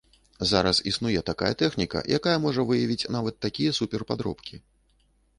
Зараз існуе такая тэхніка, якая можа выявіць нават такія супер-падробкі.